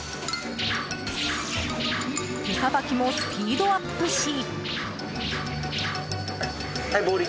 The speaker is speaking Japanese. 手さばきもスピードアップし。